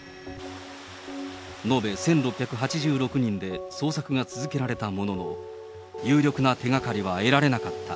延べ１６８６人で捜索が続けられたものの、有力な手がかりは得られなかった。